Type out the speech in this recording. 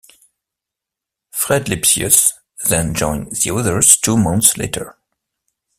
Fred Lipsius then joined the others two months later.